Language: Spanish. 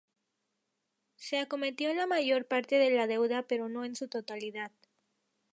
Se acometió la mayor parte de la deuda pero no en su totalidad.